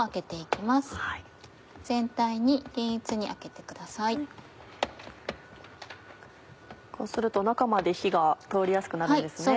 こうすると中まで火が通りやすくなるんですね。